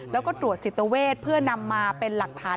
แล้วก็ตรวจจิตเวทเพื่อนำมาเป็นหลักฐาน